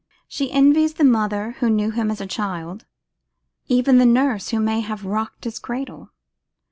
She envies the mother who knew him as a child, even the nurse who may have rocked his cradle.